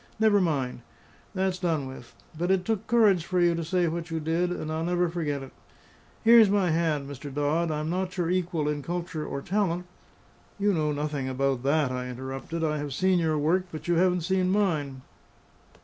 Never mind. That's done with. But it took courage for you to say what you did, and I'll never forget it. Here's my hand, Mr. Dodd. I'm not your equal in culture or talent " "You know nothing about that," I interrupted. "I have seen your work, but you haven't seen mine.